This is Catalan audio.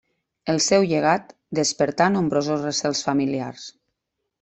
El seu llegat despertà nombrosos recels familiars.